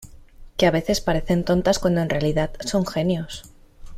que a veces parecen tontas cuando en realidad son genios.